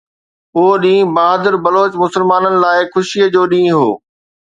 اهو ڏينهن بهادر بلوچ مسلمانن لاءِ خوشيءَ جو ڏينهن هو